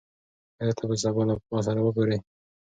آيا ته به سبا له ما سره وګورې؟